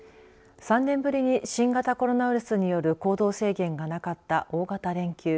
３年ぶりに新型コロナウイルスによる行動制限がなかった大型連休。